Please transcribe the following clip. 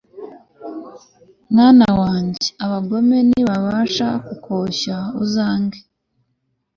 mwana wanjye, abagome nibashaka kukoshya, uzange